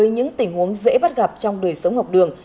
nguồn dễ bắt gặp trong đời sống học đường